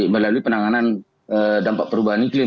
melalui penanganan dampak perubahan iklim